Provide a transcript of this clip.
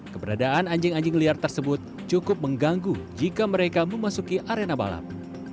keberadaan anjing anjing liar tersebut cukup mengganggu jika mereka memasuki arena balap